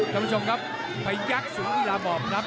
คุณผู้ชมครับภัยยักษ์สูงเวลาบอบรับ